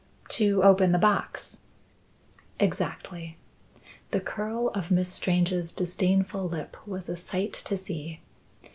"To open the box?" "Exactly." The curl of Miss Strange's disdainful lip was a sight to see.